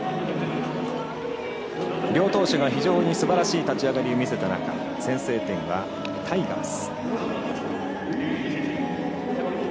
両投手が非常にすばらしい立ち上がりを見せた中先制点はタイガース。